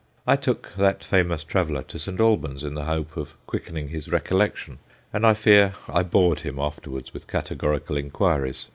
I took that famous traveller to St. Albans in the hope of quickening his recollection, and I fear I bored him afterwards with categorical inquiries.